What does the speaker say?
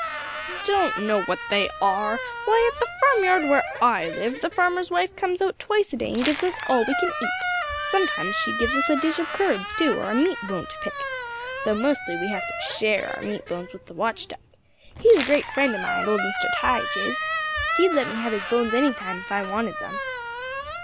"Don't know what they are! Why, at the farmyard where I live the farmer's wife comes out twice a day and gives us all we can eat. Sometimes she gives us a dish of curds, too; or a meat bone to pick. Though mostly we have to share our meat bones with the watch dog. He's a great friend of mine, old Mr. Tige is. He'd let me have his bones any time if I wanted them."